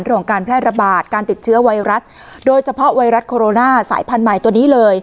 ในขณะของการแพร่ระบาดการติดเชื้อไวรัสโดยเฉพาะไวรัสโคโรนาสายภัณฑ์ใหม่